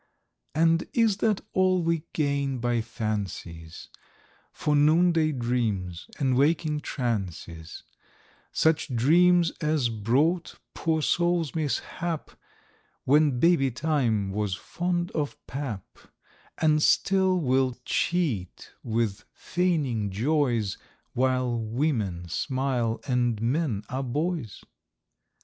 And is this all we gain by fancies For noon day dreams, and waking trances,— Such dreams as brought poor souls mishap, When Baby Time was fond of pap: And still will cheat with feigning joys, While women smile, and men are boys?